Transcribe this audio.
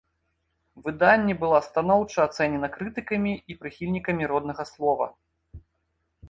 Выданне была станоўча ацэнена крытыкамі і прыхільнікамі роднага слова.